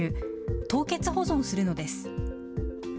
凍結保存するのです。